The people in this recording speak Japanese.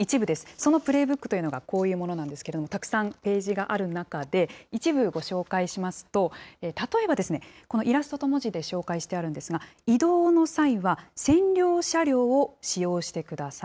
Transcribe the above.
そのプレーブックというのがこういうものなんですけれども、たくさんページがある中で、一部ご紹介しますと、例えば、このイラストと文字で紹介してあるんですが、移動の際は専用車両を使用してください。